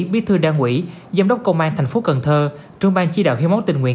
bí thư đa nguyễn giám đốc công an thành phố cần thơ trung ban chi đạo hiến máu tình nguyện